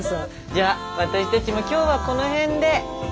じゃ私たちも今日はこの辺で。